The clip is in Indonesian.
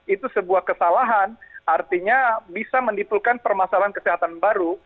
itu sebuah kesalahan artinya bisa mendipulkan permasalahan kesehatan baru